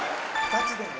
「ガチでね